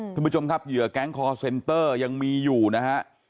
คุณผู้ชมครับเหยื่อแก๊งคอร์เซนเตอร์ยังมีอยู่นะฮะ